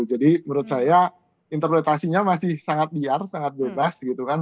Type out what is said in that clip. jadi menurut saya interpretasinya masih sangat liar sangat bebas gitu kan